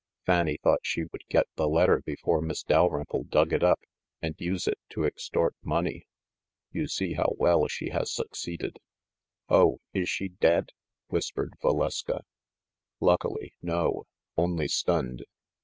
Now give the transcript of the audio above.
Fanny thought she would get the letter before Miss Dalrymple dug it up, and use it to extort money. You see how well she has succeeded." "Oh ! is she dead ?" whispered Valeska. "Luckily, no; only stunned. Mrs.